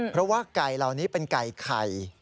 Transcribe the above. เพราะว่าไก่เหล่านี้เป็นไก่ไข่